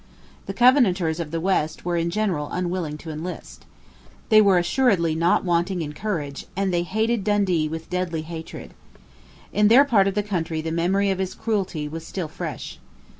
The Covenanters of the West were in general unwilling to enlist. They were assuredly not wanting in courage; and they hated Dundee with deadly hatred. In their part of the country the memory of his cruelty was still fresh.